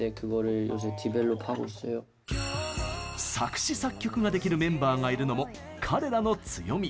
作詞・作曲が出来るメンバーがいるのも彼らの強み。